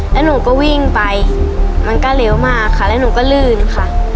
แล้วหนูก็วิ่งไปมันก็เร็วมากค่ะแล้วหนูก็ลื่นค่ะ